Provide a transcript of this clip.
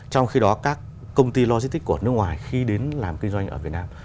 trong khi đó các công ty logistics của nước ngoài khi đến làm kinh doanh ở việt nam